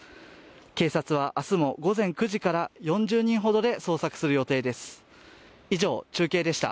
警察は明日も午前９時から４０人ほどで捜索する予定です。